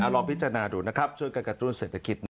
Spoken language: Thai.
ลองพิจารณาดูนะครับช่วยกันกระตุ้นเศรษฐกิจ